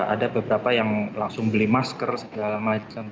ada beberapa yang langsung beli masker segala macam